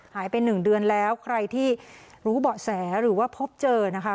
หนึ่งเดือนแล้วใครที่รู้เบาะแสหรือว่าพบเจอนะคะ